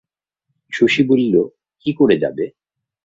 শশী বলিল, কী করে যাবে?